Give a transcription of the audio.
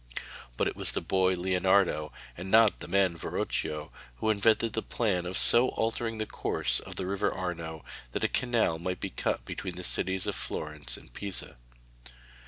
But it was the boy Leonardo, and not the man Verrocchio, who invented the plan of so altering the course of the river Arno that a canal might be cut between the cities of Florence and Pisa.